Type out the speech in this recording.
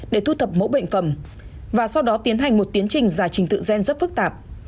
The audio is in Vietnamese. để thu thập mẫu bệnh phẩm và sau đó tiến hành một tiến trình giải trình tự gen rất phức tạp